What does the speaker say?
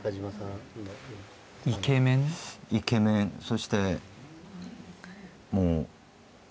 イケメンそして。